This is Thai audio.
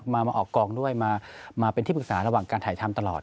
มาออกกองด้วยมาเป็นที่ปรึกษาระหว่างการถ่ายทำตลอด